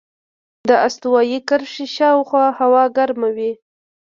د استوایي کرښې شاوخوا هوا ګرمه وي.